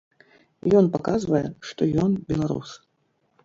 Ён паказвае, што ён беларус.